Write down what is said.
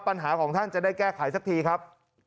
ปัญหาของท่านจะได้แก้ไขสักทีครับ